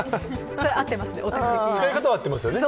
使い方は合ってますよね。